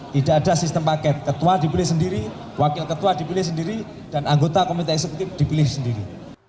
tidak ada sistem paket ketua dipilih sendiri wakil ketua dipilih sendiri dan anggota komite eksekutif dipilih sendiri